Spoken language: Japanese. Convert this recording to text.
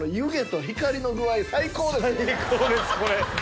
最高ですこれ。